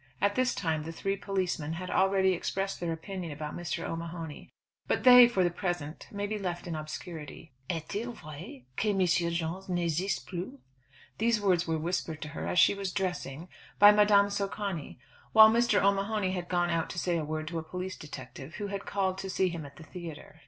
At this time the three policemen had already expressed their opinion about Mr. O'Mahony; but they, for the present, may be left in obscurity. "Est il vrai que M. Jones n'existe plus?" These words were whispered to her, as she was dressing, by Madame Socani, while Mr. O'Mahony had gone out to say a word to a police detective, who had called to see him at the theatre.